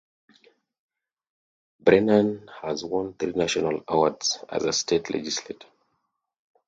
Brennan has won three national awards as a State legislator.